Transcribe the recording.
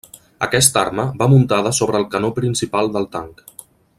Aquesta arma va muntada sobre el canó principal del tanc.